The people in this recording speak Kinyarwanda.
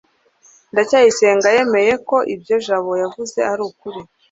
ndacyayisenga yemeye ko ibyo jabo yavuze ari ukuri